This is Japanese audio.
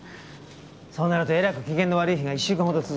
そうなるとえらく機嫌の悪い日が１週間ほど続くんです。